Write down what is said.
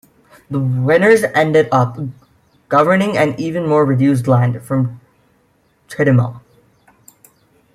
The "winners" ended up governing an even more reduced land from Chidima.